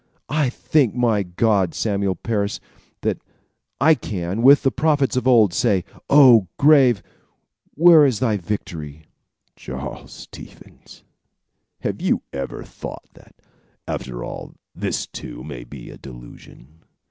I thank my God, Samuel Parris, that I can, with the prophets of old, say, O, grave, where is thy victory?" "Charles Stevens, have you ever thought that, after all, this, too, may be a delusion?